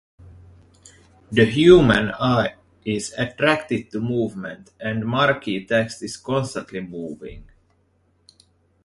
The human eye is attracted to movement, and marquee text is constantly moving.